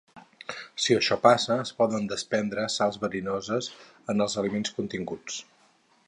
Si això passa, es poden desprendre sals verinoses en els aliments continguts.